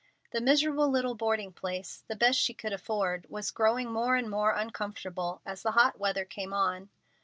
The miserable little boarding place, the best she could afford, was growing more and more uncomfortable as the hot weather came on.